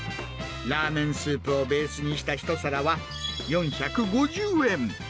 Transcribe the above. ラーメンスープをベースにした一皿は、４５０円。